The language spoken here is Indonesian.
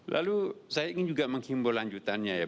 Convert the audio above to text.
lalu saya ingin juga menghimbau lanjutannya ya